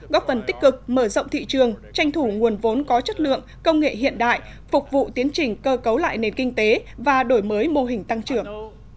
góp phần tích cực mở rộng thị trường tranh thủ nguồn vốn có chất lượng công nghệ hiện đại phục vụ tiến trình cơ cấu lại nền kinh tế và đổi mới mô hình tăng trưởng